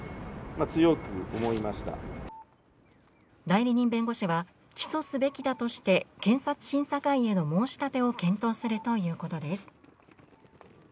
代理人弁護士は起訴すべきだとして検察審査会への申し立てを検討するということです。